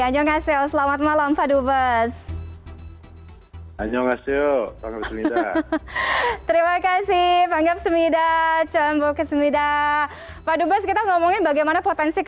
annyeonghaseyo selamat malam pak dubes